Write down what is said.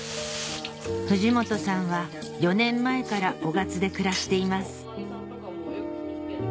藤本さんは４年前から雄勝で暮らしています